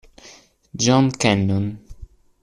John Cannon